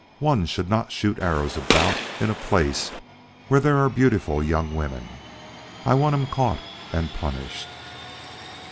One should not shoot arrows about in a place where there are beautiful young women. I want him caught and punished."